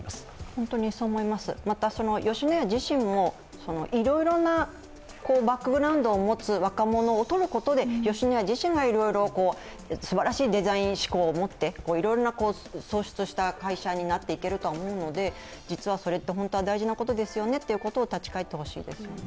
本当にそう思います、また吉野家自身もいろいろなバックグラウンドを持つ若者を取ることでとることで吉野家自身がいろいろすばらしいデザイン思考を持って創出した会社になっていけるとは思うので、実はそれって本当は大事なことだということに立ち返ってほしいですね。